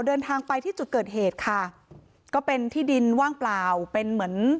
เดินทางไปที่จุดเกิดเหตุค่ะก็เป็นที่ดินว่างเปล่าเป็นเหมือน